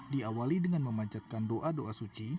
diawali dengan memanjatkan doa doa suci